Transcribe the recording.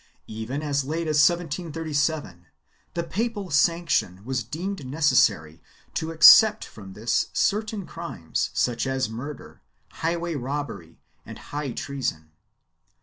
Even as late as 1737 the papal sanction was deemed necessary to except from this certain crimes, such as murder, highway robbery and high treason.